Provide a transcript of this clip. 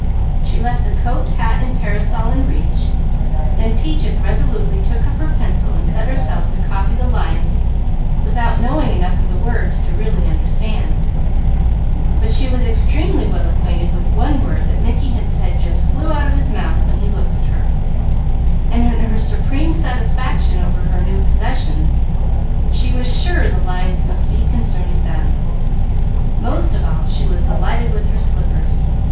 She left the coat, hat, and parasol in reach. Then Peaches resolutely took up her pencil and set herself to copy the lines without knowing enough of the words to really understand; but she was extremely well acquainted with one word that Mickey had said "just flew out of his mouth when he looked at her," and in her supreme satisfaction over her new possessions she was sure the lines must be concerning them. Most of all she was delighted with her slippers.